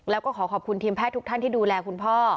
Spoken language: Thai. แล้วก็ขอขอบคุณทีมแพทย์ทุกท่านที่ดูแลคุณพ่อ